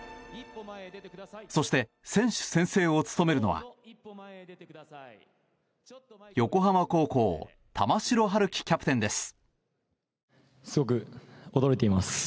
そして、選手宣誓を務めるのは横浜高校玉城陽希キャプテンです。